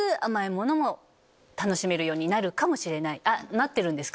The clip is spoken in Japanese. なってるんですか？